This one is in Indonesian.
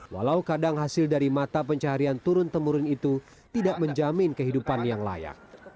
walau kadang hasil dari mata pencaharian turun temurun itu tidak menjamin kehidupan yang layak